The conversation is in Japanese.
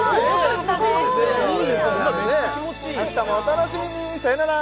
欲しいな明日もお楽しみにさようなら